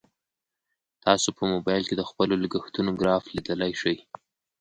تاسو په موبایل کې د خپلو لګښتونو ګراف لیدلی شئ.